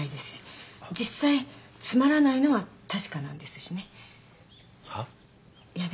実際つまらないのは確かなんですしね。はあ？いや。